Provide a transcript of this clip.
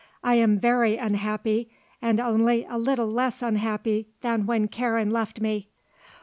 I am very unhappy and only a little less unhappy than when Karen left me.